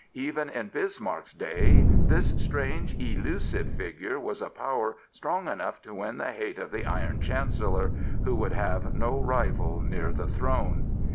Even in Bismarck's day this strange, elusive figure was a power strong enough to win the hate of the Iron Chancellor, who would have no rival near the Throne.